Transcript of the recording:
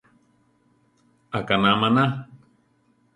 Aʼkaná maná.